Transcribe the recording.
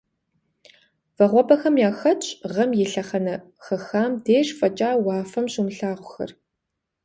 Вагъуэбэхэм яхэтщ гъэм и лъэхъэнэ хэхахэм деж фӀэкӀа уафэм щумылъагъухэр.